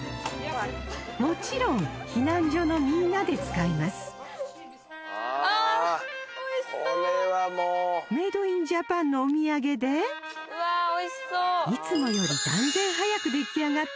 もちろん避難所のみんなで使いますメイドインジャパンのお土産でいつもより断然早く出来上がった